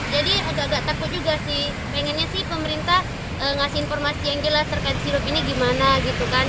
agak agak takut juga sih pengennya sih pemerintah ngasih informasi yang jelas terkait sirup ini gimana gitu kan